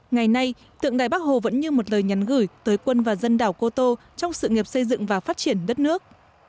ngày nay tượng đài bắc hồ vẫn như một lời nhắn gửi tới quân và dân đảo cô tô trong sự nghiệp xây dựng và phát triển đất nước